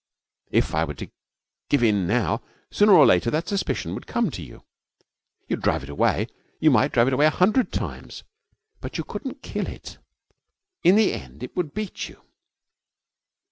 If I were to give in now, sooner or later that suspicion would come to you. You would drive it away. You might drive it away a hundred times. But you couldn't kill it. In the end it would beat you.'